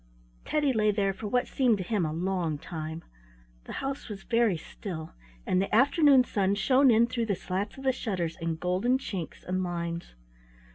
Teddy lay there for what seemed to him a long time. The house was very still, and the afternoon sun shone in through the slats of the shutters in golden chinks and lines.